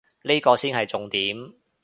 呢個先係重點